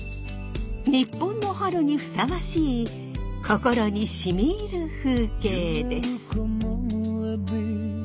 日本の春にふさわしい心に染み入る風景です。